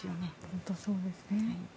本当にそうですね。